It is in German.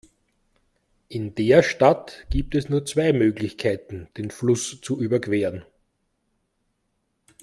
In der Stadt gibt es nur zwei Möglichkeiten, den Fluss zu überqueren.